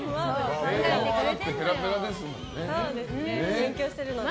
英語、ペラペラですもんね。